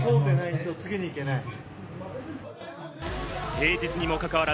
平日にも関わら